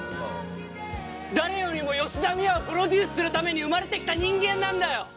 誰よりも吉田美和をプロデュースするために生まれてきた人間なんだよ！